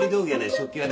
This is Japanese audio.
食器はね